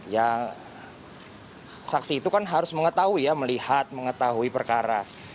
yang saksi itu kan harus mengetahui ya melihat mengetahui perkara